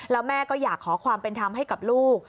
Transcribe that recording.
แล้วแม่ก็อยากขอความเป็นธรรมให้กับลูก